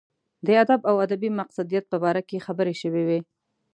د ادب او ادبي مقصدیت په باره کې خبرې شوې وې.